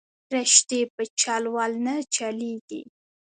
رشتې په چل ول نه چلېږي